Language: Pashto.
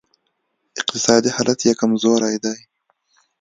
اقتصادي حالت یې کمزوری دی